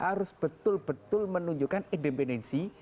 harus betul betul menunjukkan independensi